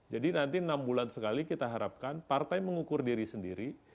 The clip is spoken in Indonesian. jadi nanti enam bulan sekali kita harapkan partai mengukur diri sendiri